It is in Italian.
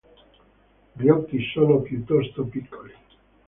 Gli occhi sono piuttosto piccoli.